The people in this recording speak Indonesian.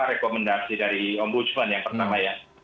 rekomendasi dari ombudsman yang pertama ya